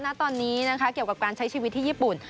ณตอนนี้นะคะเกี่ยวกับการใช้ชีวิตที่ญี่ปุ่น